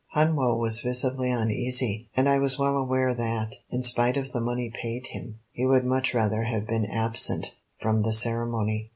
Hun Woe was visibly uneasy, and I was well aware that, in spite of the money paid him, he would much rather have been absent from the ceremony.